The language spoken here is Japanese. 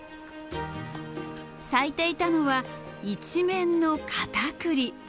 咲いていたのは一面のカタクリ。